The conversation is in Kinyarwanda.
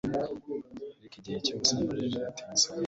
Ariko igihe cyose ambajije ati Nsa neza